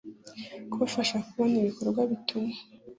Kubafasha kubona ibikorwa bituma